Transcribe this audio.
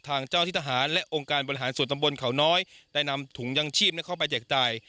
ทางเจ้าที่ทหารและองค์การบริหารส่วนตำบลเขาน้อยได้นำถุงยังชีพเข้าไปแจกจ่าย